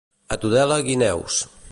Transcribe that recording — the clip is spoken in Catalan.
A Tudela, guineus.